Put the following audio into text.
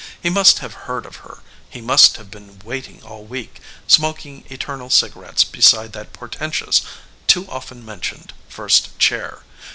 He must have heard of her; he must have been waiting all week, smoking eternal cigarettes beside that portentous, too often mentioned first chair.